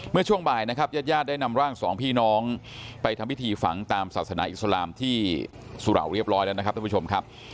เมื่อช่วงบ่ายนะครับญาติญาติได้นำร่างสองพี่น้องไปทำพิธีฝังตามศาสนาอิสลามที่สุเหล่าเรียบร้อยแล้วนะครับท่านผู้ชมครับ